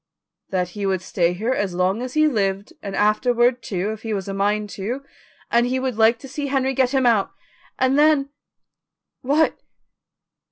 "That he would stay here as long as he lived and afterward, too, if he was a mind to, and he would like to see Henry get him out; and then " "What?"